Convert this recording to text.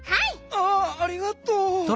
ああありがとう。